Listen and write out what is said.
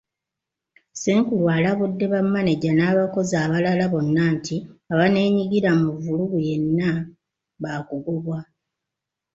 Ssenkulu alabudde bamaneja n’abakozi abalala bonna nti abaneenyigira mu vvulugu yenna baakugobwa.